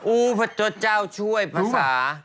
พระเจ้าช่วยภาษา